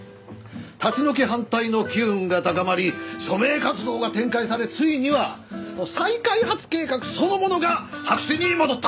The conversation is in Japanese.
立ち退き反対の機運が高まり署名活動が展開されついには再開発計画そのものが白紙に戻った。